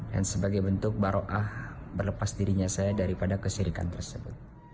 dan sebagai bentuk baro'ah berlepas dirinya saya daripada kesyirikan tersebut